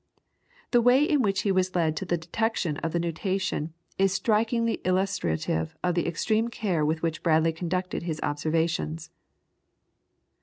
The way in which he was led to the detection of the nutation is strikingly illustrative of the extreme care with which Bradley conducted his observations.